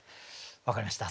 分かりました。